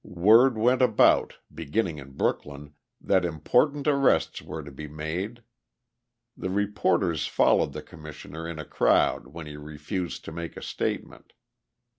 Word went about, beginning in Brooklyn, that important arrests were to be made. The reporters followed the Commissioner in a crowd when he refused to make a statement.